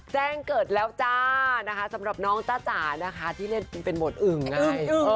แจ้งเกิดแล้วจ้านะคะสำหรับน้องจ้าจ๋านะคะที่เล่นเป็นบทอึ่งไง